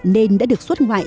nên đã được xuất ngoại